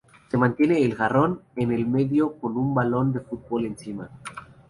Se mantiene el jarrón en el medio con un balón de fútbol encima.